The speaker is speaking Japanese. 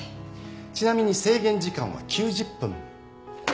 ちなみに制限時間は９０分。